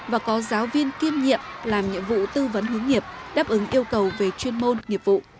và có giáo viên kiêm nhiệm làm nhiệm vụ tư vấn hướng nghiệp đáp ứng yêu cầu về chuyên môn nghiệp vụ